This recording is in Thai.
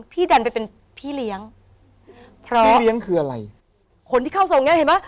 ดันไปเป็นพี่เลี้ยงเพราะพี่เลี้ยงคืออะไรคนที่เข้าทรงเนี้ยเห็นไหม